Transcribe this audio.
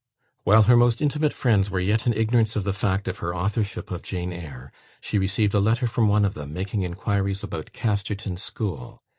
While her most intimate friends were yet in ignorance of the fact of her authorship of "Jane Eyre," she received a letter from one of them, making inquiries about Casterton School.